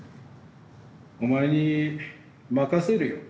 お前に任せるよ。